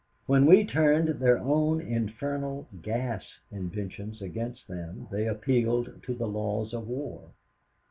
When we turned their own infernal gas inventions against them they appealed to the laws of war.